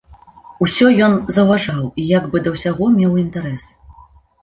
Усё ён заўважаў і як бы да ўсяго меў інтэрас.